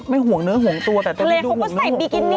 ไม่โหงเนื้อแต่เต็มที่มาดูโหงเนื้อโหงตัว